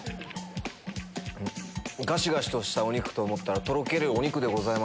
ガシガシとしたお肉と思ったらとろけるお肉でございました。